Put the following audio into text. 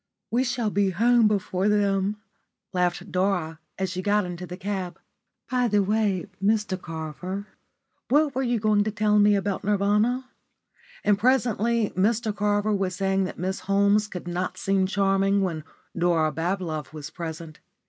"We shall be home before them," laughed Dora as she got into the cab. "By the way, Mr Carver, what were you going to tell me about Nirvana?" And presently Mr Carver was saying why Miss Holmes could not seem charming when Dora Bablove was present.